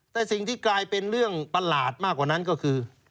แต่สิ่งที่กลายเป็นเรื่องประหลาดมากกว่านั้นก็คือ